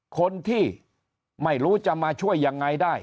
คนที่ไม่รู้จะมาช่วยยังไงได้